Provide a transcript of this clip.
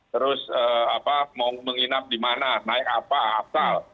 terus mau menginap di mana naik apa asal